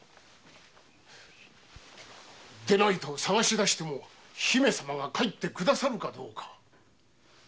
でないと捜し出しても姫様が帰ってくださるかどうか。